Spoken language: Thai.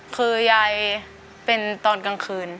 คือยายเป็นตอนกลางคืน